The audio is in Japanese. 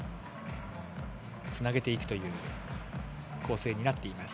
つなげていく構成になっています。